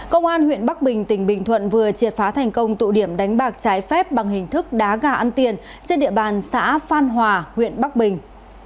công an huyện bắc bình tỉnh bình thuận vừa triệt phá thành công tụ điểm đánh bạc trái phép bằng hình thức đá gà ăn tiền trên địa bàn xã phan hòa huyện bắc bình